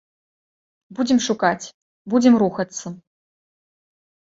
Будзем шукаць, будзем рухацца.